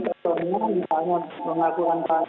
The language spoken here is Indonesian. ketemu misalnya pengaturan pasasi